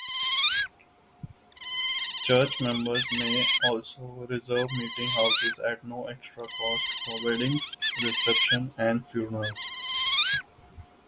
Church members may also reserve meetinghouses at no cost for weddings, receptions, and funerals.